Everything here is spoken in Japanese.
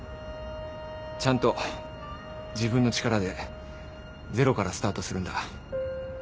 ちゃんと自分の力でゼロからスタートするんだ。